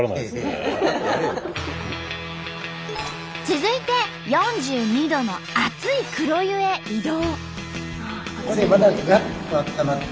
続いて４２℃の熱い黒湯へ移動。